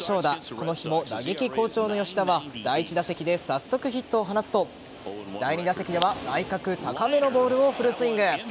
この日も打撃好調の吉田は第１打席で早速、ヒットを放つと第２打席では内角高めのボールをフルスイング。